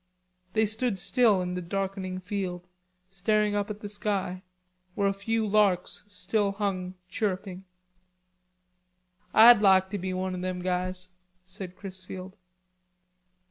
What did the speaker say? They stood still in the darkening field, staring up at the sky, where a few larks still hung chirruping. "Ah'd lahk to be one o' them guys," said Chrisfield.